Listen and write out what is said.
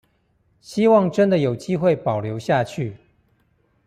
希望真的有機會保留下去